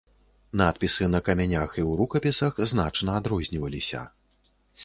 Надпісы на камянях і ў рукапісах значна адрозніваліся.